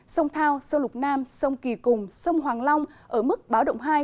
sông thao sông lục nam sông kỳ cùng sông hoàng long ở mức báo động hai